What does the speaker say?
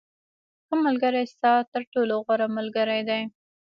• ښه ملګری ستا تر ټولو غوره ملګری دی.